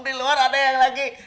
di luar ada yang lagi